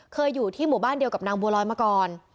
เคยอยู่ที่หมู่บ้านเดียวกับนางบัวลอยมาก่อน